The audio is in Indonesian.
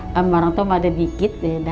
orang orang itu ada dikit beda